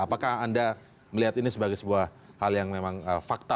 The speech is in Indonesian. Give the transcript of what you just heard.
apakah anda melihat ini sebagai sebuah hal yang memang fakta